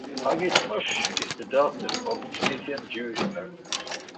Hagit Moshe is the daughter of Tunisian Jewish parents.